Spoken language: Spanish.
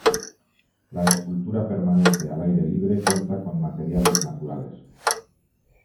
La escultura permanente al aire libre cuenta con materiales naturales.